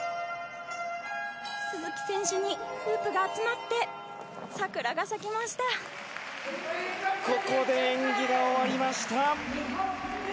鈴木選手にフープが集まってここで演技が終わりました。